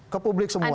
ke publik semuanya